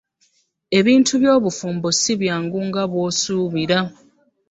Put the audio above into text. Ebintu by'obufumbo ssi byangu nga wosuubira.